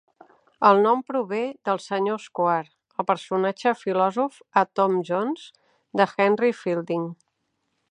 El nom prové del Sr. Square, el personatge filòsof a "Tom Jones", de Henry Fielding.